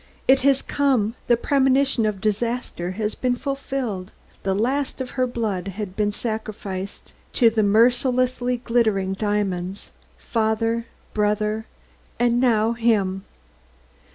It had come; the premonition of disaster had been fulfilled; the last of her blood had been sacrificed to the mercilessly glittering diamonds father, brother and now him!